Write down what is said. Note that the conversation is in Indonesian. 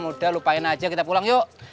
udah lupain aja kita pulang yuk